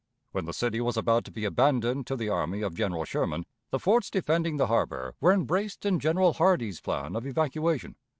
When the city was about to be abandoned to the army of General Sherman, the forts defending the harbor were embraced in General Hardee's plan of evacuation.